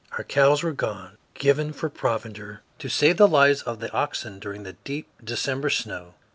Our cows were gone given for provender to save the lives of the oxen during the deep December snow.